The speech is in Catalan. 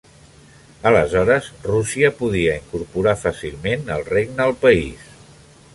Aleshores, Rússia podia incorporar fàcilment el regne al país.